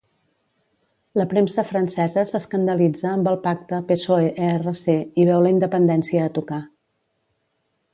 La premsa francesa s'escandalitza amb el pacte PSOE-ERC i veu la independència a tocar.